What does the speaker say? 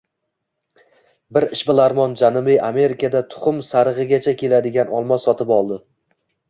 Bir ishbilarmon Janubiy Amerikada tuxum sarigʻicha keladigan olmos sotib oldi